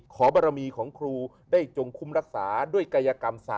ขอบรมีของครูได้จงคุ้มรักษาด้วยกายกรรมศาส